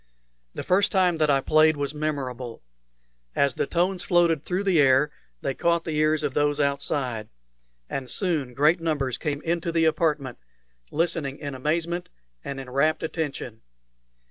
The first time that I played was memorable. As the tones floated through the air they caught the ears of those outside, and soon great numbers came into the apartment, listening in amazement and in rapt attention.